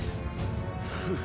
フッ